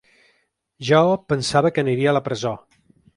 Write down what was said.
Jo pensava que aniria a la presó.